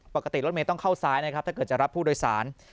ปกติรถเมย์ต้องเข้าซ้ายนะครับถ้าเกิดจะรับผู้โดยสาร